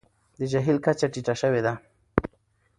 د جهیل کچه ټیټه شوې ده.